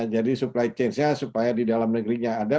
jadi supply chain nya supaya di dalam negeri nggak ada